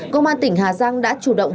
công an tỉnh hà giang đã chủ động